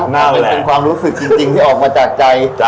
และแต่คิดถึงความรู้สึกจริงที่ออกมาจากใจ